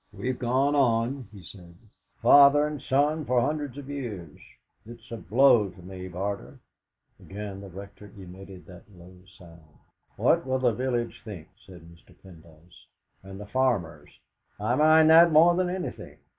"We've gone on," he said, "father and son for hundreds of years. It's a blow to me, Barter." Again the Rector emitted that low sound. "What will the village think?" said Mr. Pendyce; "and the farmers I mind that more than anything.